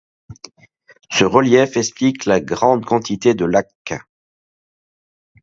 Ce relief explique la grande quantité de lacs.